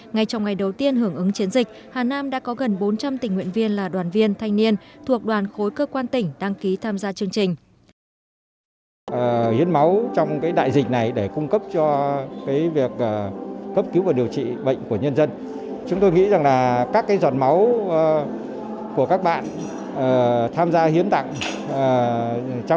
ngay trong ngày đầu tiên hưởng ứng chiến dịch hà nam đã có gần bốn trăm linh tình nguyện viên là đoàn viên thanh niên thuộc đoàn khối cơ quan tỉnh đăng ký tham gia chương trình